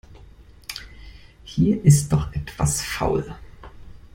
Hier ist doch etwas faul.